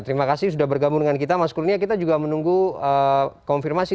terima kasih sudah bergabung dengan kita mas kurnia kita juga menunggu konfirmasi